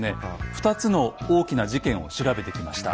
２つの大きな事件を調べてきました。